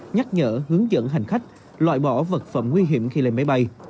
nhắc nhở hướng dẫn hành khách loại bỏ vật phẩm nguy hiểm khi lên máy bay